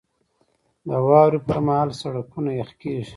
• د واورې پر مهال سړکونه یخ کېږي.